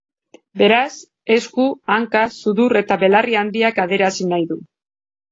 Beraz, esku, hanka, sudur eta belarri handiak adierazi nahi du.